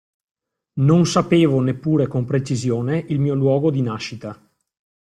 Non sapevo neppure con precisione il mio luogo di nascita.